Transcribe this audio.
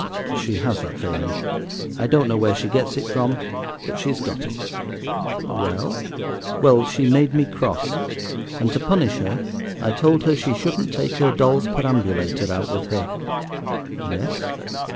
She has that failing. I don't know where she gets it from, but she's got it. "Well?" "Well, she made me cross; and, to punish her, I told her she shouldn't take her doll's perambulator out with her." "Yes?"